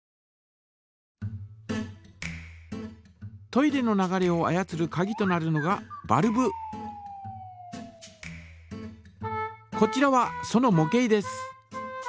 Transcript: トイレの流れを操るかぎとなるのがこちらはそのも型です。